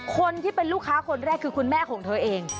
คนที่เป็นลูกค้าคนแรกคือคุณแม่ของเธอเอง